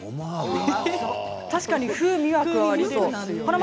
確かに風味は加わりそう。